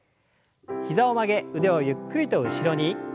膝を曲げ腕をゆっくりと後ろに。